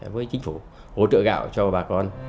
với chính phủ hỗ trợ gạo cho bà con